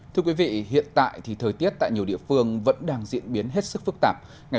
thưa quý vị hiện tại thì thời tiết tại nhiều địa phương vẫn đang diễn biến hết sức phức tạp